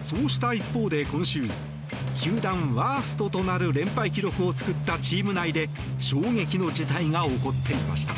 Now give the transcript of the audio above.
そうした一方で、今週球団ワーストとなる連敗記録を作ったチーム内で衝撃の事態が起こっていました。